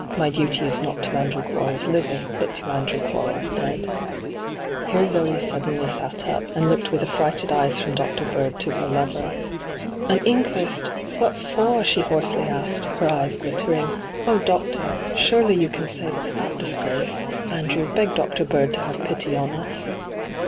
My duty is not to Andrew Quarles living, but to Andrew Quarles dead.' Here Zoe suddenly sat np, and looked with afinghted eyes from Dr. Bird to her lover. ' An inquest ! What for ?' she hoarsely asked, her eyes glittering. 'Oh, doctor I surely you can save us that di^ace ? Andrew, beg Dr. Bird to have pity on us.'